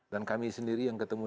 dan kami sendiri yang ketemu